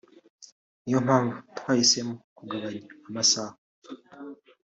niyo mpamvu twahisemo kugabanya amasaha